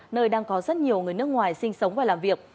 nơi đang có rất nhiều người nước ngoài sinh sống và làm việc